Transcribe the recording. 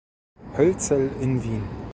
Hölzel in Wien.